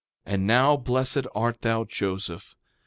3:25 And now, blessed art thou, Joseph.